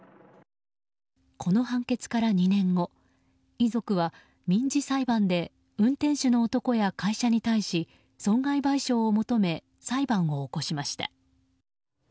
この判決から２年後遺族は民事裁判で運転手の男や会社に対し損害賠償を求め裁判を起こしました。